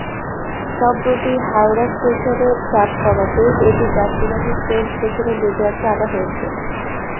সম্প্রতি হাওড়া স্টেশনের চাপ কমাতে এটি যাত্রীবাহী ট্রেন স্টেশনের নেটওয়ার্কে আনা হয়েছে।